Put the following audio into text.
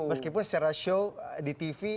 meskipun secara show di tv